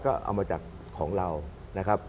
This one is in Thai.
ก็เอามาจากของเรานะครับ